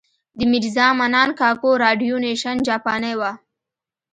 د میرزا منان کاکو راډیو نېشن جاپانۍ وه.